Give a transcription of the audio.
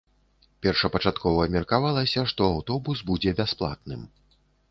Першапачаткова меркавалася, што аўтобус будзе бясплатным.